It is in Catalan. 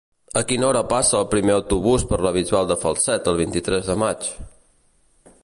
A quina hora passa el primer autobús per la Bisbal de Falset el vint-i-tres de maig?